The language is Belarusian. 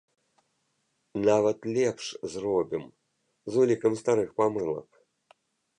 Нават лепш зробім, з улікам старых памылак.